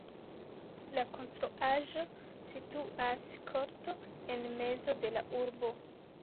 La konstruaĵo situas korto en mezo de la urbo.